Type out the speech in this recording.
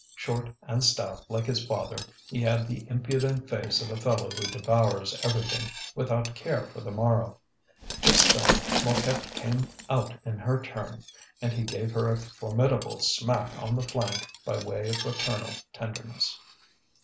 Short and stout like his father, he had the impudent face of a fellow who devours everything without care for the morrow. Just then Mouquette came out in her turn, and he gave her a formidable smack on the flank by way of fraternal tenderness.